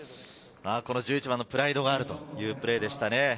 １１番のプライドがあるというプレーでしたね。